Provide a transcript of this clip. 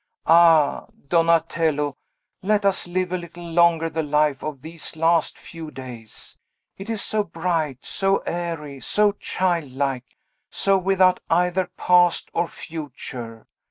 Ah, Donatello! let us live a little longer the life of these last few days! It is so bright, so airy, so childlike, so without either past or future!